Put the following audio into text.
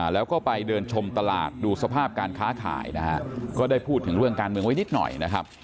แล้วก็ไปเดินชมตลาดดูสภาพการค้าขายนะฮะก็ได้พูดถึงเรื่องการเมืองไว้นิดหน่อยนะครับ